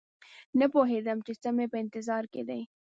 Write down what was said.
نه پوهېدم چې څه مې په انتظار کې دي